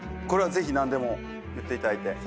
これは是非何でも言っていただいて。